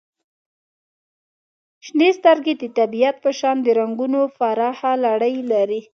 • شنې سترګې د طبیعت په شان د رنګونو پراخه لړۍ لري.